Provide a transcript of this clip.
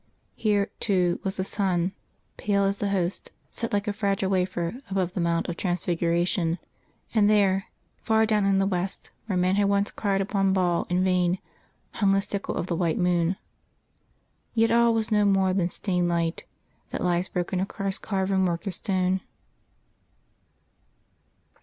Here, too, was the sun, pale as the Host, set like a fragile wafer above the Mount of Transfiguration, and there, far down in the west where men had once cried upon Baal in vain, hung the sickle of the white moon. Yet all was no more than stained light that lies broken across carven work of stone....